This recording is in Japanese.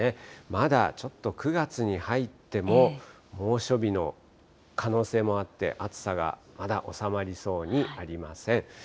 まだちょっと９月に入っても、猛暑日の可能性もあって、暑さがまだ収まりそうにありません。